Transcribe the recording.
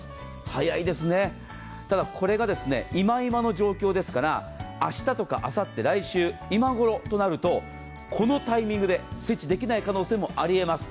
早いですね、ただこれが今今の状況ですから、明日とかあさって、来週、今頃となるとこのタイミングで設置できない可能性もありえます。